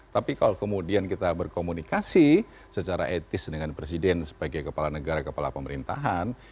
tapi kalau kemudian kita berkomunikasi secara etis dengan presiden sebagai kepala negara kepala pemerintahan